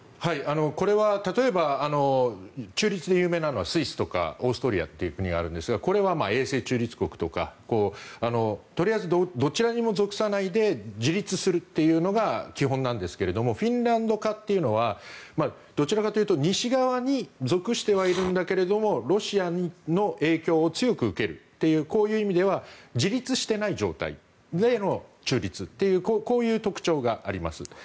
これは例えば中立で有名なのはスイスとかオーストリアという国があるんですがこれは永世中立国とかとりあえずどちらにも属さないで自立するというのが基本なんですがフィンランド化というのはどちらかというと西側に属してはいるんだけれどもロシアの影響を強く受けるというこういう意味では自立してない状態での中立というこういう特徴があります。